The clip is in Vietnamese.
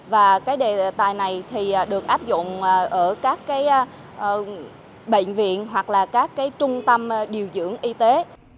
và đề tài này được áp dụng ở các bệnh viện hoặc các trung tâm điều dưỡng y tế